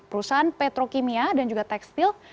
perusahaan petrokimia dan juga tekstil